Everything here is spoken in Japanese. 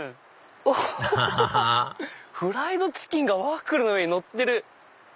アハハハフライドチキンがワッフルの上にのってる。